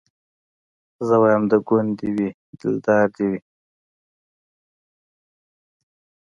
زه وايم د ګوند دي وي دلدار دي وي